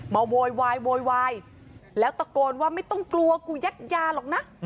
โวยวายโวยวายแล้วตะโกนว่าไม่ต้องกลัวกูยัดยาหรอกนะ